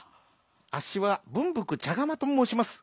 「あっしはぶんぶくちゃがまともうします。